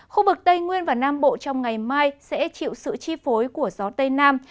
khu vực tây nguyên và nam bộ trong ngày mai sẽ chịu sự chi phối của gió tây nam